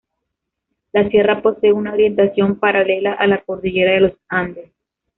La sierra posee una orientación paralela a la cordillera de los Andes.